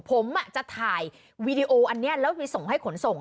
ผมจะถ่ายวีดีโออันนี้แล้วไปส่งให้ขนส่ง